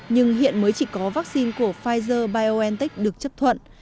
nhưng hiện mới chỉ có vaccine của pfizer biontech được chấp thuận